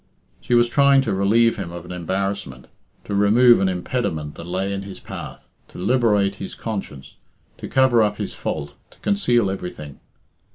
She was trying to relieve him of an embarrassment; to remove an impediment that lay in his path; to liberate his conscience; to cover up his fault; to conceal everything.